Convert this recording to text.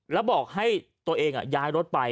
แล้วบอกให้ตัวเองย้ายรถไป